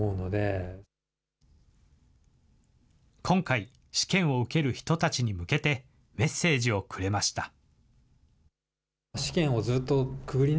今回、試験を受ける人たちに向けて、メッセージをくれました。